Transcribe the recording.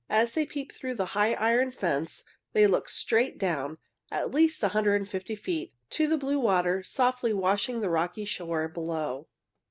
As they peeped through the high iron fence they looked straight down, at least a hundred and fifty feet, to the blue water softly washing the rocky shore below.